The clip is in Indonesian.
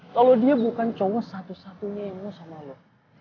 kalo dia bukan cowok satu satunya yang nge nose sama lo